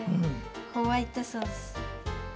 ホワイトソース。